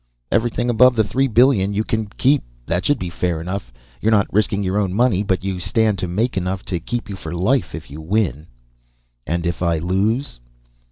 "Everything above the three billion you can keep, that should be fair enough. You're not risking your own money, but you stand to make enough to keep you for life if you win." "And if I lose